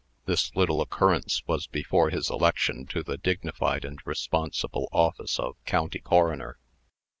This little occurrence was before his election to the dignified and responsible office of County Coroner.